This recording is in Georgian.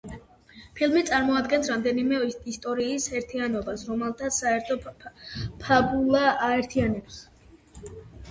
ფილმი წარმოადგენს რამდენიმე ისტორიის ერთიანობას, რომელთაც საერთო ფაბულა აერთიანებს.